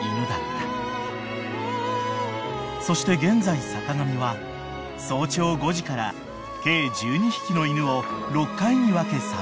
［そして現在坂上は早朝５時から計１２匹の犬を６回に分け散歩］